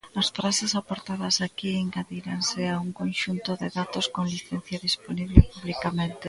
As frases aportadas aquí engadiranse a un conxunto de datos con licenza dispoñible publicamente.